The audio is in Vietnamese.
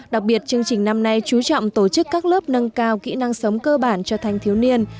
đặc biệt chương trình năm nay chú trọng tổ chức các lớp nâng cao kỹ năng sống cơ bản cho thanh thiếu niên